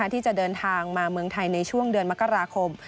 ที่จะเดินทางมาเมืองไทยในช่วงเดือนมกราคม